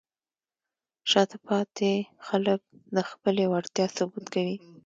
شاته پاتې خلک د خپلې وړتیا ثبوت کوي.